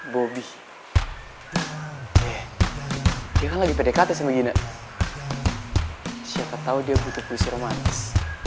bobby jangan lagi pdkt sama gini siapa tahu dia butuh puisi romantis